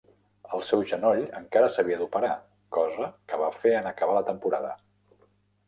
El seu genoll encara s'havia d'operar, cosa que va fer en acabar la temporada.